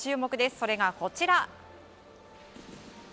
それがこちら。